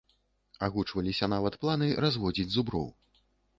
Агучваліся нават планы разводзіць зуброў.